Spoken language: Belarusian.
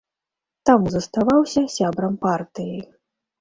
Таму заставаўся сябрам партыі.